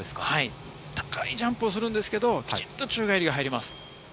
高いジャンプをするんですけれども、きちんと宙返りが入ります。